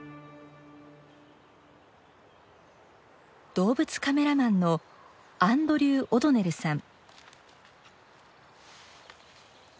動物カメラマンのアンドリュー・オドネルさん。